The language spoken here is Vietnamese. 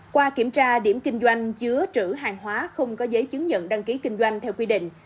qua kiểm tra điểm kinh doanh chứa trữ hàng hóa không có giấy chứng nhận đăng ký kinh doanh theo quy định